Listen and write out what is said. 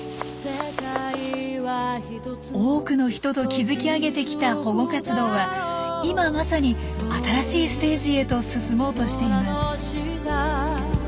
多くの人と築き上げてきた保護活動は今まさに新しいステージへと進もうとしています。